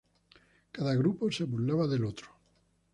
Cada grupo se burlaba del otro.